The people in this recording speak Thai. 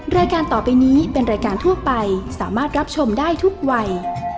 รายการต่อไปนี้เป็นรายการทั่วไปสามารถรับชมได้ทุกวัย